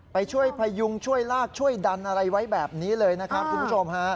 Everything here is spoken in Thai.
ไปช่วยพยุงช่วยลากช่วยดันอะไรไว้แบบนี้เลยนะครับคุณผู้ชมฮะ